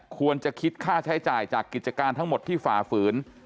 ควรจะคิดค่าใช้จ่ายจากกิจการทั้งหมดที่ฝ่าฝืน